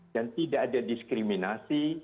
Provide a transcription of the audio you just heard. dan tidak ada diskriminasi